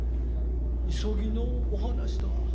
急ぎのお話たあ。